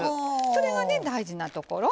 それがね大事なところ。